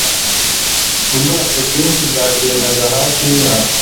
Ubwato bwinshi bwagendaga hafi yinyanja.